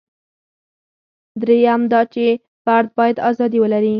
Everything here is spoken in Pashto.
درېیم دا چې فرد باید ازادي ولري.